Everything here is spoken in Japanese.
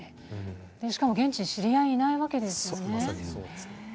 しかも現地に知り合いがいないわけですよね。